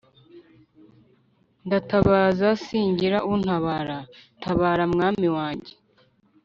ndatabaza singira untabara tabara mwami wanjye